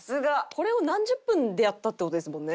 これを何十分でやったって事ですもんね。